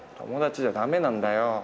友達じゃ駄目なんだよ。